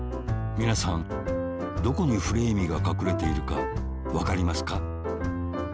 みなさんどこにフレーミーがかくれているかわかりますか？